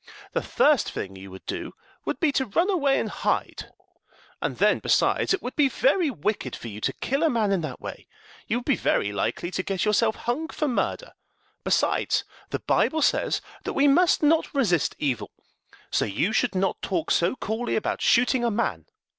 The first thing you would do would be to run away and hide. And then, besides, it would be very wicked for you to kill a man in that way. You would be very likely to get yourself hung for murder. Besides, the Bible says that we must not resist evil; so you should not talk so coolly about shooting a man."